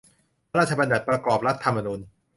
พระราชบัญญัติประกอบรัฐธรรมนูญ